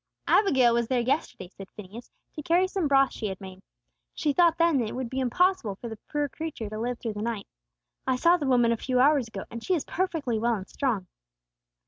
"Abigail was there yesterday," said Phineas, "to carry some broth she had made. She thought then it would be impossible for the poor creature to live through the night. I saw the woman a few hours ago, and she is perfectly well and strong."